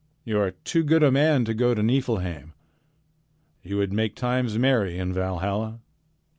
You are too good a man to go to Niflheim. You would make times merry in Valhalla."